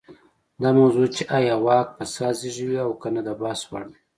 دا موضوع چې ایا واک فساد زېږوي او که نه د بحث وړ ده.